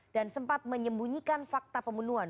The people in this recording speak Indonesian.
dan sempat menyembunyikan fakta pembunuhan